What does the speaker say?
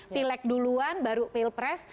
pilek duluan baru pilpres